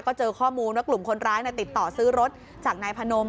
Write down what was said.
ก็เจอข้อมูลว่ากลุ่มคนร้ายติดต่อซื้อรถจากนายพนม